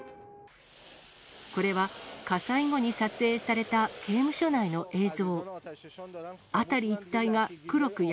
これは、火災後に撮影された刑務所内の映像。